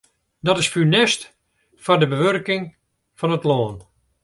Dat is funest foar de bewurking fan it lân.